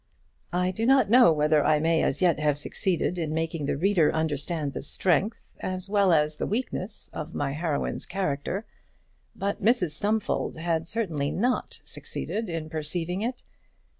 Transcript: I do not know whether I may as yet have succeeded in making the reader understand the strength as well as the weakness of my heroine's character; but Mrs Stumfold had certainly not succeeded in perceiving it.